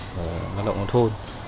của lao động nông thôn